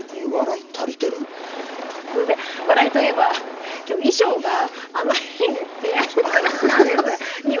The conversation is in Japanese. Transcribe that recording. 突然、笑いといえばきょう衣装があまりにもペアルックだったんです。